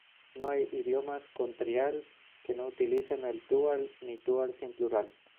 No hay idiomas con trial que no utilicen el dual, ni dual sin plural.